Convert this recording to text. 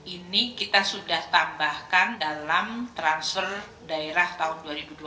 ini kita sudah tambahkan dalam transfer daerah tahun dua ribu dua puluh